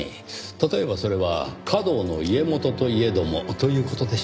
例えばそれは華道の家元といえどもという事でしょうか？